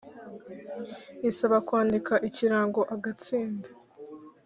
isaba kwandika ikirango agatsinda